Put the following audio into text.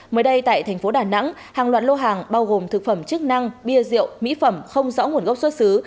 mới đây tại thành phố đà nẵng hàng loạt lô hàng bao gồm thực phẩm chức năng bia rượu mỹ phẩm không rõ nguồn gốc xuất xứ